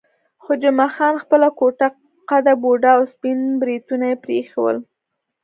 خو جمعه خان خپله کوټه قده، بوډا او سپین بریتونه یې پرې ایښي ول.